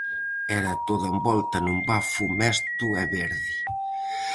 Era toda envolta nun bafo mesto e verde.